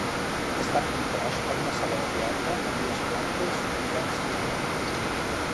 Està compost per una sala teatre amb dues plantes i un gran escenari.